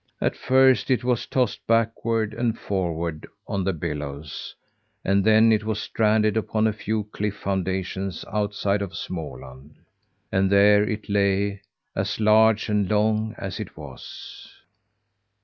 At first it was tossed backward and forward on the billows, and then it was stranded upon a few cliff foundations outside of Småland. And there it lay as large and long as it was.